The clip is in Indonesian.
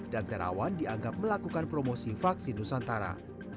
dan terawan dianggap melakukan promosi vaksin nusantara